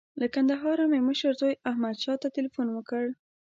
له کندهاره مې مشر زوی احمدشاه ته تیلفون وکړ.